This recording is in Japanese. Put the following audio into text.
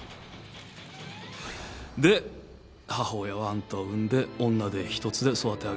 で母親はあんたを産んで女手一つで育て上げた。